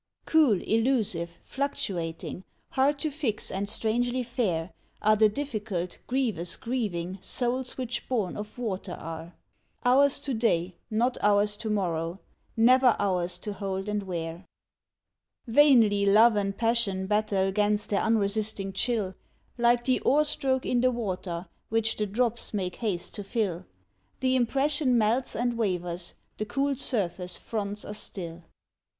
Cool, elusive, fluctuating, hard to fix and strangely fair Are the difficult, grievous, grieving souls which born of Water are Ours to day, not ours to morrow ; never ours to hold and wear. 2 1 8 TEMPERAMENTS Vainly love and passion battle 'gainst their unresisting chill, Like the oar stroke in the water which the drops make haste to fill, The impression melts and wavers, the cool surface fronts us still.